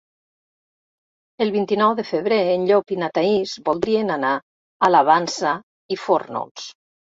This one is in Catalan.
El vint-i-nou de febrer en Llop i na Thaís voldrien anar a la Vansa i Fórnols.